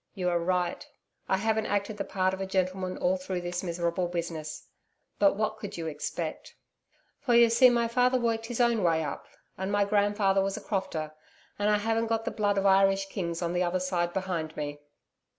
You are right. I haven't acted the part of a gentleman all through this miserable business. But what could you expect? For you see, my father worked his own way up, and my grandfather was a crofter and I haven't got the blood of Irish kings, on the other side, behind me.